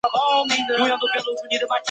这个规则对于勋位及赠位也同样适用。